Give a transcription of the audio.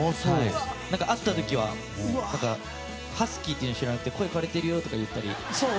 会った時はハスキーっていうの知らなくて声、枯れているよって言ったり。